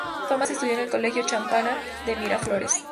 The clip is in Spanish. Tomás estudió en el Colegio Champagnat de Miraflores.